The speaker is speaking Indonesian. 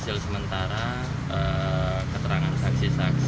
memang menyatakan bahwa para korban ini tidak bisa dihubungi dengan pihak c